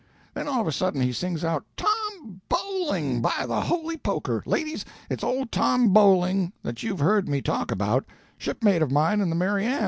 Then all of a sudden he sings out, 'Tom Bowling, by the holy poker! Ladies, it's old Tom Bowling, that you've heard me talk about shipmate of mine in the Mary Ann.'